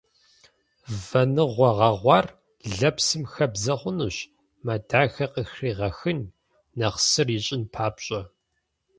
Вэныгъуэ гъэгъуар лэпсым хэбдзэ хъунущ, мэ дахэ къыхригъэхын, нэхъ сыр ищӏын папщӏэ.